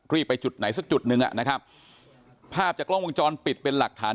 ไปจุดไหนสักจุดหนึ่งอ่ะนะครับภาพจากกล้องวงจรปิดเป็นหลักฐาน